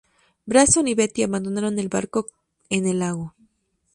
Branson y Betty abandonaron el barco en el lago.